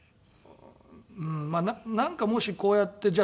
なんかもしこうやってじゃあ